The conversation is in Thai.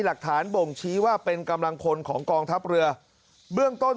หลักฐานบ่งชี้ว่าเป็นกำลังพลของกองทัพเรือเบื้องต้น